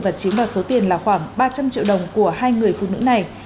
và chiếm đoạt số tiền là khoảng ba trăm linh triệu đồng của hai người phụ nữ này